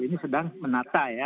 ini sedang menata ya